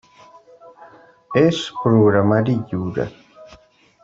És programari lliure.